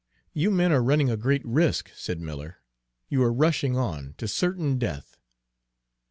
"You men are running a great risk," said Miller. "You are rushing on to certain death."